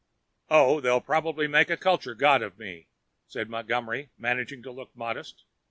"Oh, they'll probably make a culture god of me," said Montgomery, managing to look modest.